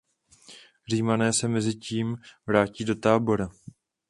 Římané se mezitím vrátí do tábora.